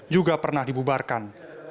juga pernah dibubarkan